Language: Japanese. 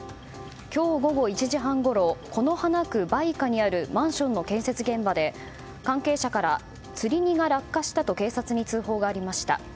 今日午後１時半ごろ此花区梅香にあるマンションの建設現場で関係者から、つり荷が落下したと警察に通報がありました。